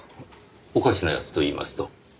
おかしな奴と言いますと？